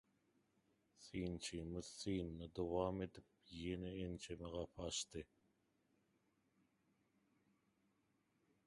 Synçymyz synyna dowam edip ýene ençeme gapy açdy.